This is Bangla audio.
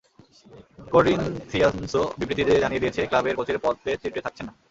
করিন্থিয়ানসও বিবৃতি দিয়ে জানিয়ে দিয়েছে, ক্লাবের কোচের পদে টিটে থাকছেন না।